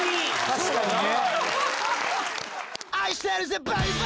確かにね。